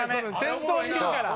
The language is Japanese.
先頭にいるから。